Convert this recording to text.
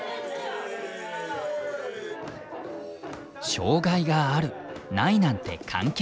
障害があるないなんて関係ない！